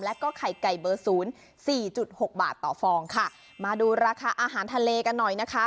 แล้วก็ไข่ไก่เบอร์ศูนย์สี่จุดหกบาทต่อฟองค่ะมาดูราคาอาหารทะเลกันหน่อยนะคะ